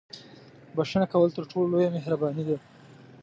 • بښنه کول تر ټولو لویه مهرباني ده.